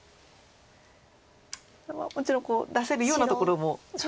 もちろん出せるようなところも。